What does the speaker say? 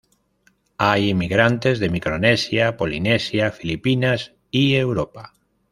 Hay inmigrantes de micronesia, polinesia, Filipinas y Europa.